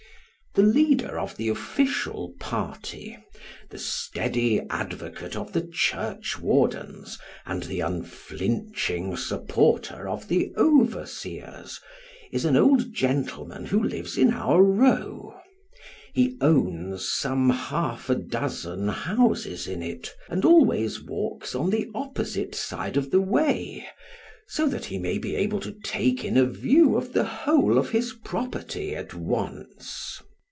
The leader of the official party the steady advocate of the church wardens, and the unflinching supporter of the overseers is an old gentleman who lives in our row. He owns some half a dozen houses 14 Sketches by Bos. in it, and always walks on the opposite side of the way, so that he may be able to take in a view of the whole of his property at onco.